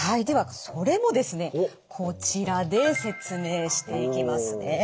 ではそれもですねこちらで説明していきますね。